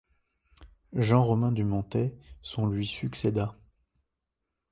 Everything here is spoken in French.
Jean-Romain du Montet, son lui succéda.